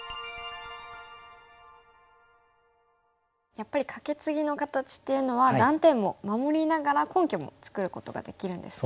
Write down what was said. やっぱりカケツギの形っていうのは断点も守りながら根拠も作ることができるんですね。